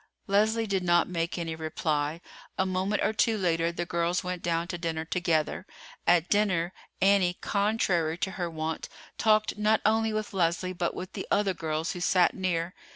Leslie did not make any reply. A moment or two later the girls went down to dinner together. At dinner, Annie, contrary to her wont, talked not only with Leslie but with the other girls who sat near.